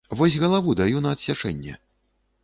Вось галаву даю на адсячэнне!